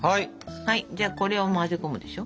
はいじゃあこれを混ぜ込むでしょ。